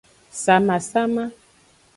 Samasama.